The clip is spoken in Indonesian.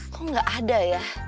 kok gak ada ya